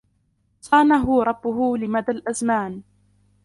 صانه ربه لمدى الأزمان